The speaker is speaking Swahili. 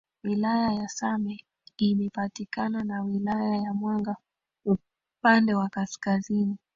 wilaya ya same imepakana na wilaya ya mwanga upande wa kazkazini